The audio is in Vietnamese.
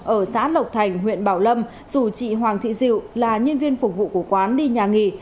ở xã lộc thành huyện bảo lâm dù chị hoàng thị diệu là nhân viên phục vụ của quán đi nhà nghỉ